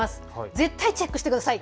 絶対にチェックしてください。